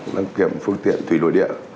đăng kiểm phương tiện thủy đổi địa